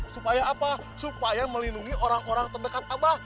supaya apa supaya melindungi orang orang terdekat apa